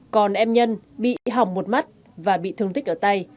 còn em nhân bị hỏng một mắt và bị thương tích ở tay